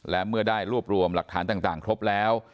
และเมื่อได้รวบรวมหลักฐานต่างครบแล้ว